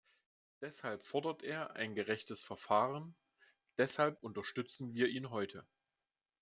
Deshalb fordert er ein gerechtes Verfahren, deshalb unterstützen wir ihn heute.